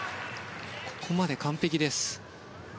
ここまで完璧です。